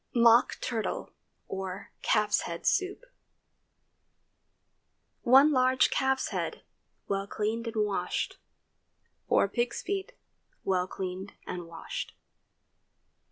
MOCK TURTLE OR CALF'S HEAD SOUP. ✠ 1 large calf's head, well cleaned and washed. 4 pig's feet, well cleaned and washed.